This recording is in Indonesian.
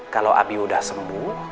kalau abi udah sembuh